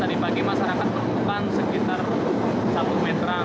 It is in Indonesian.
tadi pagi masyarakat menemukan sekitar seratus metran